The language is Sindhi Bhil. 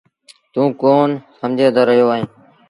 توٚنٚ ڪون سمجھي رهيو اهي